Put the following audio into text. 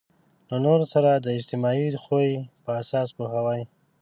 له نورو سره د اجتماعي خوی په اساس پوهوي.